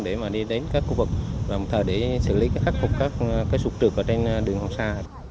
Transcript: để mà đi đến các khu vực đồng thời để xử lý khắc phục các sụp trượt ở trên đường hoàng sa